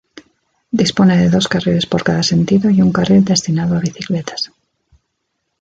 Dispone de dos carriles por cada sentido y un carril destinado a bicicletas.